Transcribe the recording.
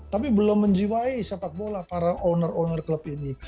tapi belum menjiwai sepak bola para owner owner klub ini